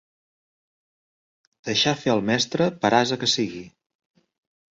Deixar fer al mestre, per ase que sigui.